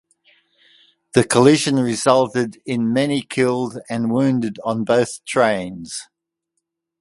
The collision resulted in many killed and wounded on both trains.